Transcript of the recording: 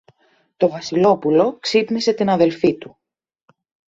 Το Βασιλόπουλο ξύπνησε την αδελφή του.